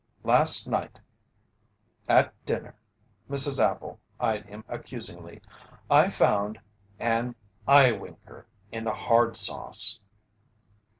"Last night at dinner" Mrs. Appel eyed him accusingly "I found an eyewinker in the hard sauce."